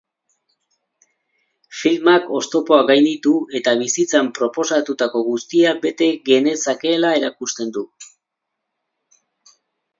Filmak oztopoak gainditu eta bizitzan proposatutako guztia bete genezakeela erakusten du.